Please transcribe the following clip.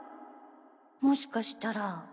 もしかしたら。